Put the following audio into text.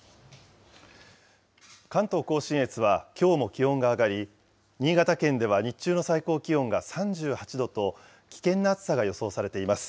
関東甲信越はきょうも気温が上がり、新潟県では日中の最高気温が３８度と、危険な暑さが予想されています。